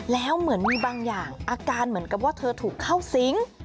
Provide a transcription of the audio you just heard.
แล้วเหมือนมีบางอย่างอาการเหมือนกับว่าเธอถูกเข้าสิง